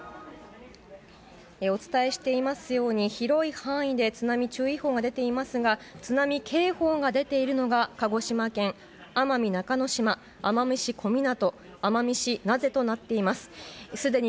お伝えしていますように広い範囲で津波注意報が出ていますが津波警報が出ているのが鹿児島県奄美中之島奄美市小湊、奄美市名瀬となっています。